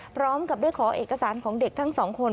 พร้อมกับได้ขอเอกสารของเด็กทั้งสองคน